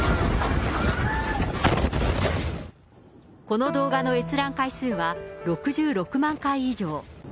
この動画の閲覧活数は、６６万回以上。